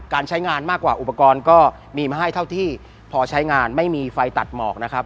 ใช้งานมากกว่าอุปกรณ์ก็มีมาให้เท่าที่พอใช้งานไม่มีไฟตัดหมอกนะครับ